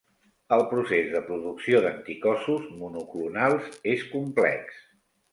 El procés de producció d'anticossos monoclonals és complex.